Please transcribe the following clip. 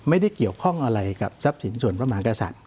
ไม่ได้เกี่ยวข้องอะไรกับทรัพย์สินส่วนพระมหากษัตริย